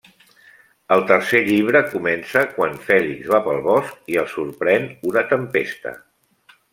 El tercer llibre comença quan Fèlix va pel bosc i el sorprèn una tempesta.